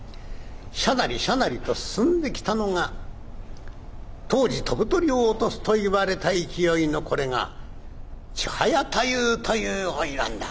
シャナリシャナリと進んできたのが当時飛ぶ鳥を落とすと言われた勢いのこれが千早太夫という花魁だ」。